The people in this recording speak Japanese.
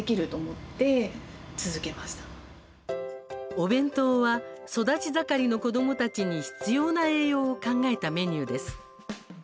お弁当は育ち盛りの子どもたちに必要な栄養を考えたメニューです。